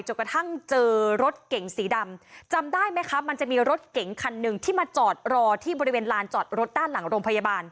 กระทั่งเจอรถเก่งสีดำจำได้ไหมคะมันจะมีรถเก๋งคันหนึ่งที่มาจอดรอที่บริเวณลานจอดรถด้านหลังโรงพยาบาล